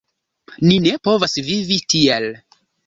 Ni ne povas vivi tiel.